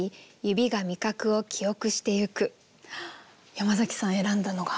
山崎さん選んだのが！